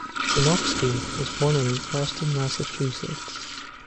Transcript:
Sinofsky was born in Boston, Massachusetts.